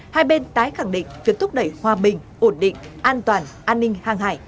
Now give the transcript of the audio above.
hai bên tái khẳng định việc thúc đẩy hòa bình ổn định an toàn an ninh hàng hải